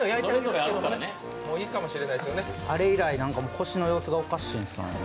あれ以来、腰の様子がおかしいんですよね。